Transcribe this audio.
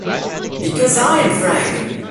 Because I am Frank!